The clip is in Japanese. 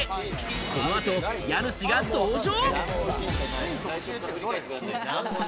この後、家主が登場！